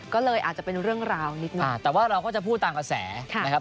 ก็เลยอาจจะเป็นเรื่องราวนิดหนึ่งแต่ว่าเราก็จะพูดตามกระแสนะครับ